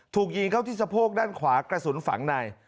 ถูกยิงเข้าที่สะโพกด้านขวากระสุนฝังใน